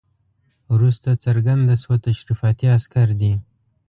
وروسته څرګنده شوه تشریفاتي عسکر دي.